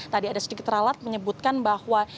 tadi ada sedikit ralat menyebutkan bahwa